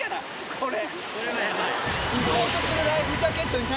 これ